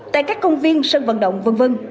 tại các công viên sân vận động v v